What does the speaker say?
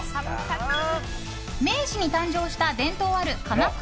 明治に誕生した伝統ある鎌倉